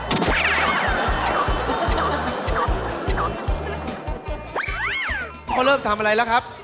พวกเขาเริ่มทำอะไรครับ